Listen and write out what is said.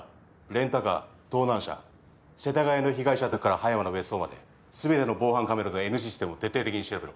レンタカー盗難車世田谷の被害者宅から葉山の別荘まで全ての防犯カメラとＮシステムを徹底的に調べろ。